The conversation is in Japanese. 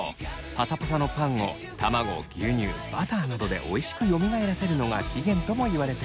パサパサのパンを卵牛乳バターなどでおいしくよみがえらせるのが起源ともいわれています。